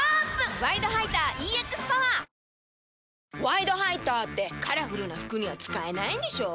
「ワイドハイター」ってカラフルな服には使えないんでしょ？